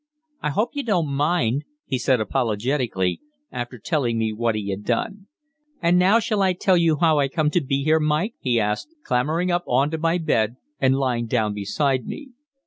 "I hope you don't mind," he said apologetically, after telling me what he had done. "And now shall I tell you how I come to be here, Mike?" he added, clambering up on to my bed and lying down beside me.